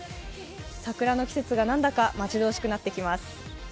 桜の季節がなんだか待ち遠しくなってきます。